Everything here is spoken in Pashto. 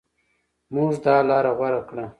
موږ دا لاره غوره کړه.